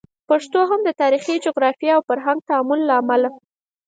پښتو هم د تاریخي، جغرافیایي او فرهنګي تعامل له امله